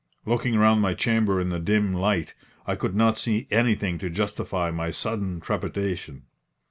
Looking round my chamber in the dim light, I could not see anything to justify my sudden trepidation.